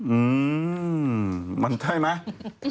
อืมมมมมมมมันได้ไหม